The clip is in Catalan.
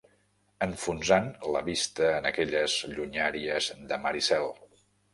Enfonsant la vista en aquelles llunyàries de mar i cel